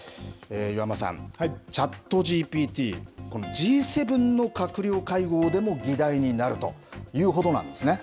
岩間さん、チャットＧＰＴ、このＧ７の閣僚会合でも議題になるというほどなんですね。